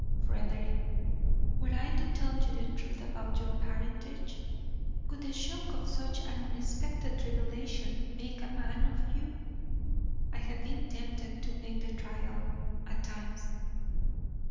Frederick, were I to tell you the truth about your parentage, would the shock of such an unexpected revelation make a man of you? I have been tempted to make the trial, at times.